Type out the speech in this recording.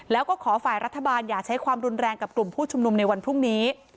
แล้วก็ขอฝ่ายรัฐบาลอย่าใช้ความรุนแรงกับกลุ่มผู้ชุมนุมในวันพรุ่งนี้